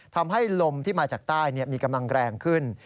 ทำให้ลมที่มาจากใต้มีกำลังแรงขึ้น